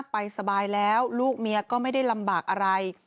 ไปสบายแล้วลูกเมียก็ไม่ได้ลำบากอะไร